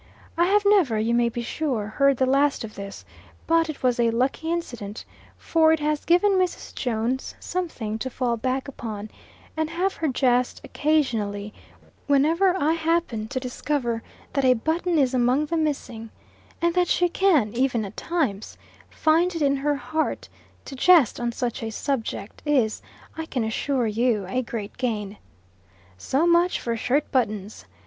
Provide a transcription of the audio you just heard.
I have never, you may be sure, heard the last of this; but it was a lucky incident, for it has given Mrs. Jones something to fall back upon, and have her jest occasionally, whenever I happen to discover that a button is among the missing, and that she can, even at times, find it in her heart to jest on such a subject, is, I can assure you, a great gain. So much for shirt buttons.